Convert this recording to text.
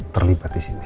terlibat di sini